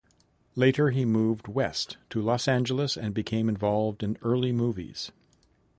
Later he moved west to Los Angeles and became involved in early movies.